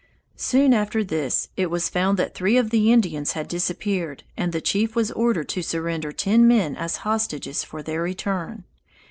Soon after this it was found that three of the Indians had disappeared and the chief was ordered to surrender ten men as hostages for their return.